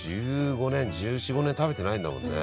約１５年１４１５年食べてないんだもんね。